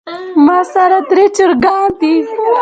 ماسره درې چرګان دي